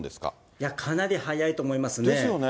いや、かなり早いと思いますね。ですよね。